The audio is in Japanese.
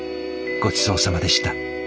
ごちそうさまでした。